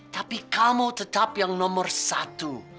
tapi kamu tetap yang nomor satu